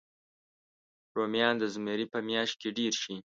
رومیان د زمري په میاشت کې ډېر شي